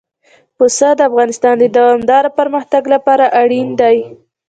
پسه د افغانستان د دوامداره پرمختګ لپاره اړین دي.